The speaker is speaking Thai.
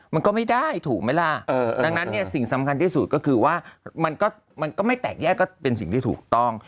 มันก็ไม่ได้ถูกไหมล่ะดังนั้นเนี่ยสิ่งสำคัญที่สุดก็คือว่ามันก็ไม่แตกแยกก็เป็นสิ่งที่ถูกต้อง